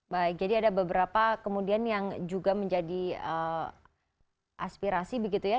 baik jadi ada beberapa kemudian yang juga menjadi aspirasi begitu ya